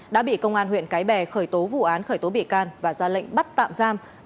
đã bị công an huyện cái bè khởi tố vụ án khởi tố bị can và ra lệnh bắt tạm giam